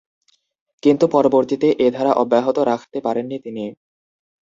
কিন্তু, পরবর্তীতে এ ধারা অব্যাহত রাখতে পারেননি তিনি।